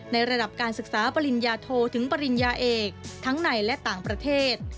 ในระดับการศึกษาปริญญาโทถึงปริญญาเอกทั้งในและต่างประเทศ